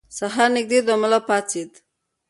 سهار نږدې دی او ملا پاڅېد.